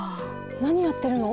なにやってるの？